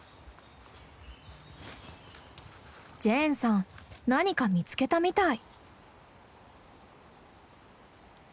ジェーンさん何か見つけたみたい。